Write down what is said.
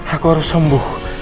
aku harus sembuh